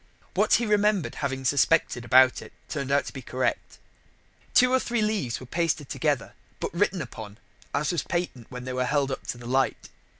What he remembered having suspected about it turned out to be correct. Two or three leaves were pasted together, but written upon, as was patent when they were held up to the light.